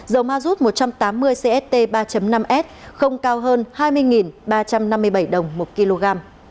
dầu ma rút một trăm tám mươi cst ba năm s không cao hơn hai mươi ba trăm năm mươi bảy đồng một kg